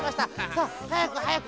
さあはやくはやく